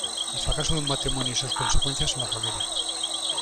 El fracaso de un matrimonio y sus consecuencias en la familia.